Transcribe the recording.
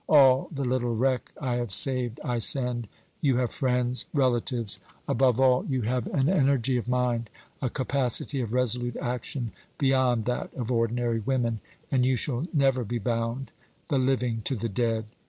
All the little wreck I have saved I send: you have friends, relatives above all, you have an energy of mind, a capacity of resolute action, beyond that of ordinary women, and you shall never be bound the living to the dead.